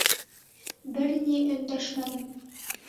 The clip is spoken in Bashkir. Бер ни өндәшмәнем.